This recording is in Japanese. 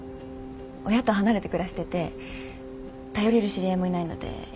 親と離れて暮らしてて頼れる知り合いもいないので一人で。